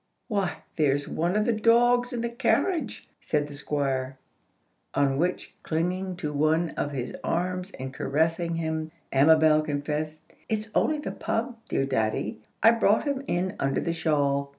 "Why, there's one of the dogs in the carriage," said the Squire. On which, clinging to one of his arms and caressing him, Amabel confessed, "It's only the pug, dear daddy. I brought him in under the shawl.